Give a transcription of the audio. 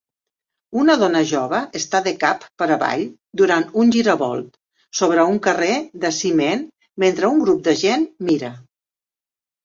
Una dona jove està de cap per avall durant un giravolt sobre un carrer de ciment mentre un grup de gent mira.